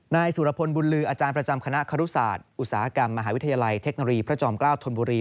นายสุรพลบุญลืออาจารย์ประจำคณะครุศาสตร์อุตสาหกรรมมหาวิทยาลัยเทคโนโลยีพระจอมเกล้าธนบุรี